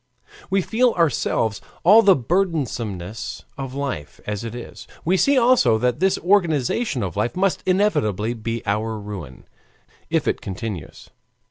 We feel ourselves all the burdensomeness of life as it is; we see also that this organization of life must inevitably be our ruin, if it continues.